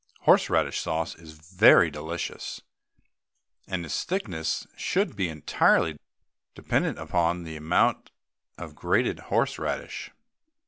Horse radish sauce is very delicious, and its thickness should be entirely dependent upon the amount of grated horse radish.